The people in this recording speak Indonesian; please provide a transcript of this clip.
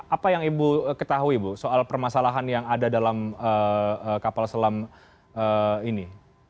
apa yang ibu ketahui bu soal permasalahan yang ada dalam kapal selam ini